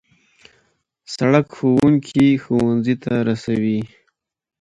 سړک ښوونکي ښوونځي ته رسوي.